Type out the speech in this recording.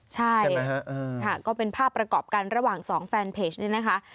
ใช่ค่ะก็เป็นภาพประกอบกันระหว่างสองแฟนเพจนี้นะคะ